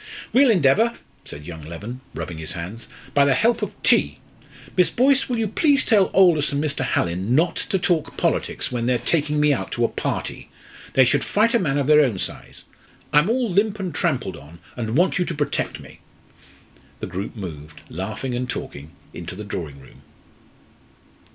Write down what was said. "We'll endeavour," said young Leven, rubbing his hands, "by the help of tea. Miss Boyce, will you please tell Aldous and Mr. Hallin not to talk politics when they're taking me out to a party. They should fight a man of their own size. I'm all limp and trampled on, and want you to protect me." The group moved, laughing and talking, into the drawing room.